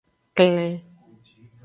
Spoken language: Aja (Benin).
Klen.